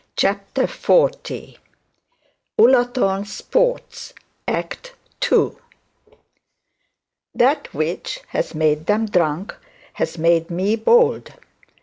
CHAPTER XL ULLATHORNE SPORTS ACT II 'That which has made them drunk, has made me bold.'